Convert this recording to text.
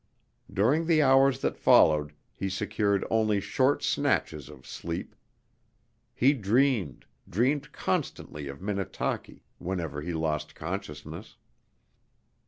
During the hours that followed he secured only short snatches of sleep. He dreamed, dreamed constantly of Minnetaki whenever he lost consciousness.